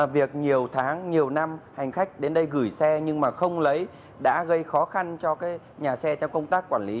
việc nhiều tháng nhiều năm hành khách đến đây gửi xe nhưng mà không lấy đã gây khó khăn cho nhà xe trong công tác quản lý